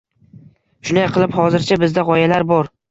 Shunday qilib, hozircha bizda gʻoyalar bor.